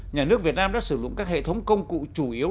nhà nước việt nam đã sử dụng các hệ thống công cụ chủ yếu